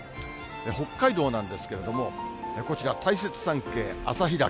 北海道なんですけれども、こちら、大雪山系旭岳。